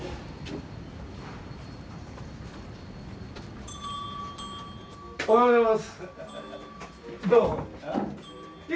吉本さんおはようございます。